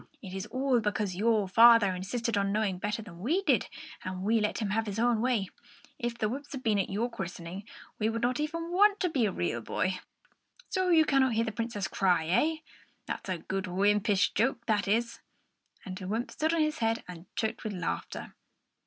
"It is all because your father insisted on knowing better than we did, and we let him have his own way. If the wymps had not been at your christening, you would not even want to be a real boy. So you cannot hear the Princess cry, eh? That's a good wympish joke, that is!" And the wymp stood on his head and choked with laughter.